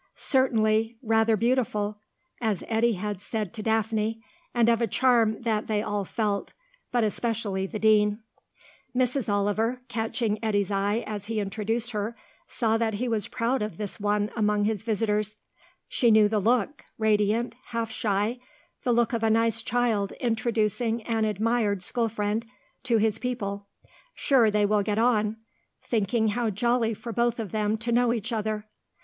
Certainly "rather beautiful," as Eddy had said to Daphne, and of a charm that they all felt, but especially the Dean. Mrs. Oliver, catching Eddy's eye as he introduced her, saw that he was proud of this one among his visitors. She knew the look, radiant, half shy, the look of a nice child introducing an admired school friend to his people, sure they will get on, thinking how jolly for both of them to know each other.